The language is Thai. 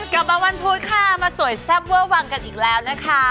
กลับมาวันพุธค่ะมาสวยแซ่บเวอร์วังกันอีกแล้วนะคะ